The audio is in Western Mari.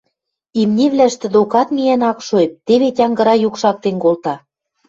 Иминивлӓштӹ докат миэн ак шоэп, теве тянгыра юк шактен колта: